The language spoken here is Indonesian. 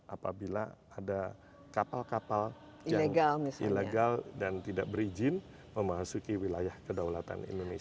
apabila ada kapal kapal yang ilegal dan tidak berizin memasuki wilayah kedaulatan indonesia